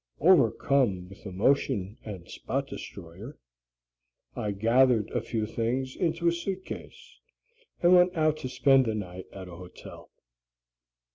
Overcome with emotion and spot destroyer, I gathered a few things into a suitcase and went out to spend the night at a hotel.